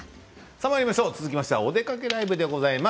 続きましては「おでかけＬＩＶＥ」です。